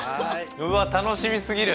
うわ楽しみすぎる。